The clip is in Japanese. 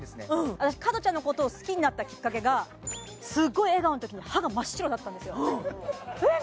私加トちゃんのことを好きになったきっかけがすごい笑顔のときに歯が真っ白だったんですよえっ